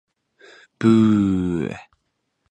美しき薔薇に希望と夢を与えましょう